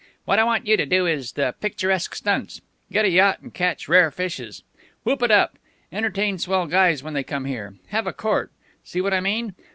What I want you to do is the picturesque stunts. Get a yacht and catch rare fishes. Whoop it up. Entertain swell guys when they come here. Have a Court see what I mean?